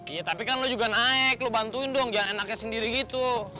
iya tapi kan lo juga naik lo bantuin dong jangan enaknya sendiri gitu